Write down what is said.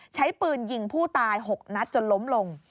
ใช้ปืนยิงผู้ตาย๖นัดจนล้มลง